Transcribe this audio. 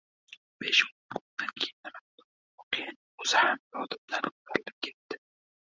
Besh-oʻn kundan keyin hatto bu voqeaning oʻzi ham yodimdan koʻtarilib ketdi.